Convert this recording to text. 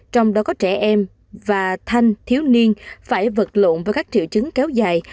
trong đó có trẻ em và thanh thiếu niên phải vật lộn với các triệu chứng kéo dài